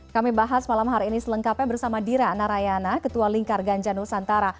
kami bahas malam hari ini selengkapnya bersama dira narayana ketua lingkar ganja nusantara